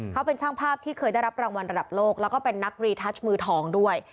เขาเป็นช่างภาพที่เคยได้รับรางวัลระดับโลกแล้วก็เป็นนักรีทัชมือทองด้วย